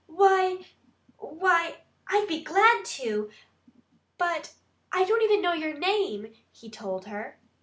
"Why why I I'll be glad to, but I don't even know your name!" he told her.